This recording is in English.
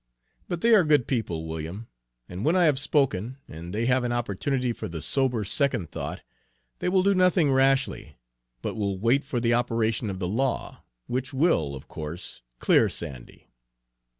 But they are good people, William, and when I have spoken, and they have an opportunity for the sober second thought, they will do nothing rashly, but will wait for the operation of the law, which will, of course, clear Sandy."